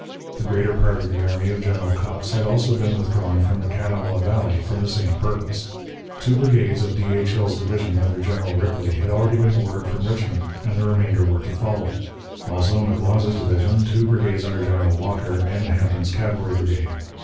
The greater part of the army of General Cox had also been withdrawn from the Kanawha Valley for the same purpose. Two brigades of D. H. Hill's division, under General Ripley, had already been ordered from Richmond, and the remainder were to follow; also, McLaws's division, two brigades under General Walker, and Hampton's cavalry brigade.